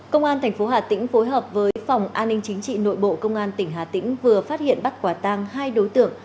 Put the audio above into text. công an tp hà tĩnh phối hợp với phòng an ninh chính trị nội bộ công an tỉnh hà tĩnh vừa phát hiện bắt quả tang hai đối tượng